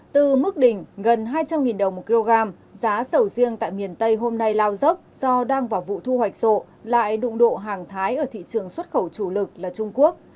từ mức đỉnh gần hai trăm linh đồng một kg giá sầu riêng tại miền tây hôm nay lao dốc do đang vào vụ thu hoạch rộ lại đụng độ hàng thái ở thị trường xuất khẩu chủ lực là trung quốc